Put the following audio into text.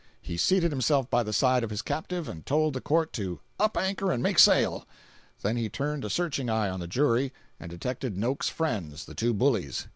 He seated himself by the side of his captive and told the court to "up anchor and make sail." Then he turned a searching eye on the jury, and detected Noakes's friends, the two bullies.